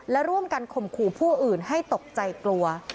และร่วมกันข่มขู่ผู้อื่นให้ตกใจกลัว